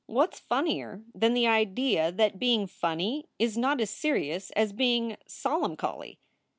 What s funnier than the idea that being funny is not as serious as being solemncholy?